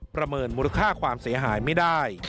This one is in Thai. ประเมินมูลค่าความเสียหายไม่ได้